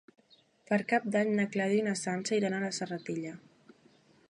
Per Cap d'Any na Clàudia i na Sança iran a la Serratella.